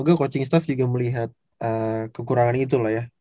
gue coaching staff juga melihat kekurangan itu lah ya